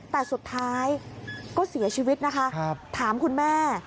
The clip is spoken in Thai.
แต่สุดท้ายก็เสียชีวิตนะคะถามคุณแม่